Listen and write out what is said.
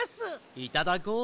いただこう。